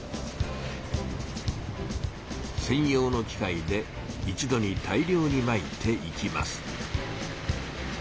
せん用の機械で一度に大量にまいていきます。